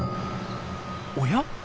おや？